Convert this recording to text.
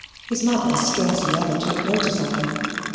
His mother scarcely ever took notice of him.